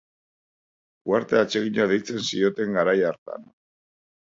Uharte atsegina deitzen zioten garai hartan.